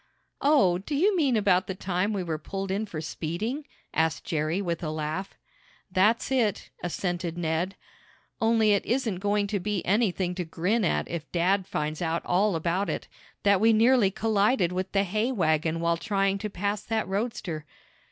"Oh, do you mean about the time we were pulled in for speeding?" asked Jerry with a laugh. "That's it," assented Ned. "Only it isn't going to be anything to grin at if dad finds out all about it that we nearly collided with the hay wagon while trying to pass that roadster.